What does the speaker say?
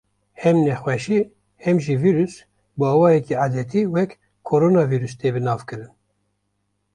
Hem nexweşî û hem jî vîrus bi awayekî edetî wek “koronavîrus” tê binavkirin.